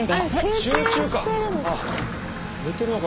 集中か！